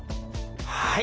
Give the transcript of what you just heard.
はい。